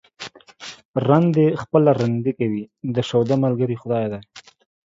رند دي خپله رندي کوي ، د شوده ملگرى خداى دى.